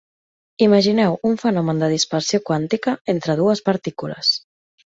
Imagineu un fenomen de dispersió quàntica entre dues partícules.